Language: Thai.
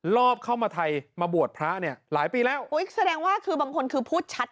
รอบเข้ามาไทยมาบวชพระเนี่ยหลายปีแล้วอุ้ยแสดงว่าคือบางคนคือพูดชัด